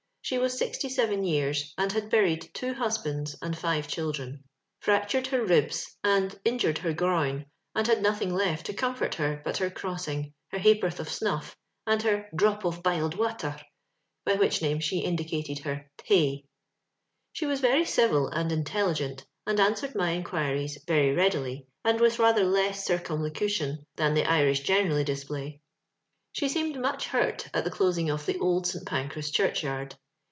She was sixty seyen years, and had bnxied two husbands and five ohildzen, fraetmnd her riba, and injured her groin, and had nothing left to comfort her but her cross ing, her hatKirth of snofl^ and her *' drop of biled wather," by which name she indicated her"t^.» She was very eivil and intelligent, and an swered my inqoiries very readily, and with rather less oircnmlocution than the Irish generally display. She seemed mach hurt at Qie closing of tlie Old St. Poncras churehyard.